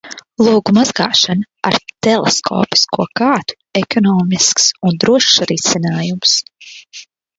Logu mazgāšana ar teleskopisko kātu – ekonomisks un drošs risinājums.